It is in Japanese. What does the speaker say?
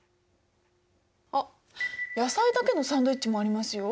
あっ野菜だけのサンドイッチもありますよ。